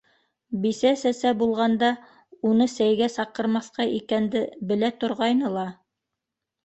Бисә-сәсә булғанда уны сәйгә саҡырмаҫҡа икәнде белә торғайны ла...